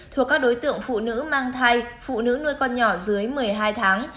thuộc các đối tượng phụ nữ mang thai phụ nữ nuôi con nhỏ dưới một mươi hai tháng